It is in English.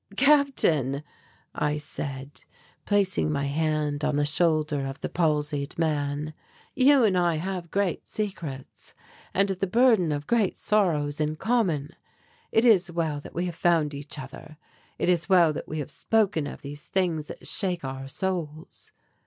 "Captain," I said, placing my hand on the shoulder of the palsied man, "you and I have great secrets and the burden of great sorrows in common. It is well that we have found each other. It is well that we have spoken of these things that shake our souls.